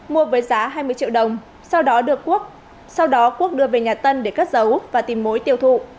mua với giá hai mươi triệu đồng sau đó được quốc sau đó quốc đưa về nhà tân để cất giấu và tìm mối tiêu thụ